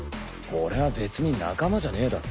俺は別に仲間じゃねえだろ。